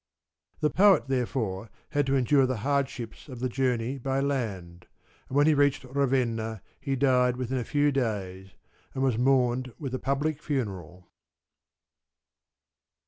The poet, therefore, had to endure the hardships of the journey by land, and when he reached Ravenna he died within a few days, and was mourned with a public funeral.